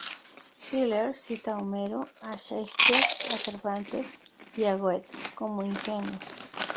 Schiller cita a Homero, a Shakespeare, a Cervantes y a Goethe, como ingenuos.